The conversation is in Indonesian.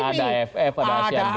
ada aff ada asian game